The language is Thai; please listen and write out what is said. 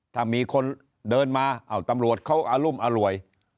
ถ้ามีคนเดินมาตำรวจเขาอรุมอร่วย